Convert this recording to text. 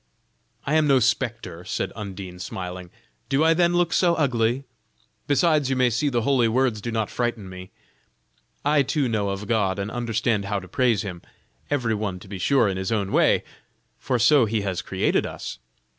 "I am no spectre," said Undine, smiling; "do I then look so ugly? Besides you may see the holy words do not frighten me. I too know of God and understand how to praise Him; every one to be sure in his own way, for so He has created us.